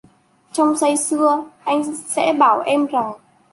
Trong say sưa, anh sẽ bảo em rằng: